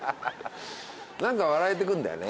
何か笑えてくんだよね。